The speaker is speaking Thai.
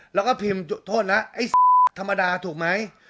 แล้วก็พิมพ์โทษนะไอ้ธรรมดาถูกไหม